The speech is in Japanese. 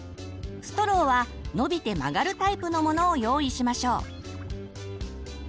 ストローは伸びて曲がるタイプのものを用意しましょう。